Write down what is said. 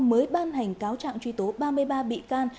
mới ban hành cáo trạng truy tố ba mươi ba bị can